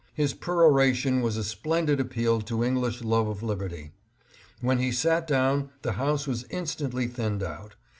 His peroration was a splendid appeal to English love of liberty. When he sat down the House was instantly thinned out.